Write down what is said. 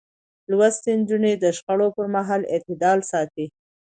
لوستې نجونې د شخړو پر مهال اعتدال ساتي.